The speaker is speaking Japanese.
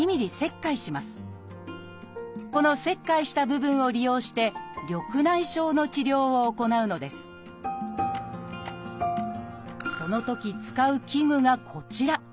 この切開した部分を利用して緑内障の治療を行うのですそのとき使う器具がこちら。